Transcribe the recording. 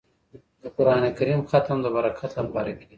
د قران کریم ختم د برکت لپاره کیږي.